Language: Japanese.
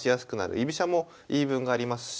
居飛車も言い分がありますし。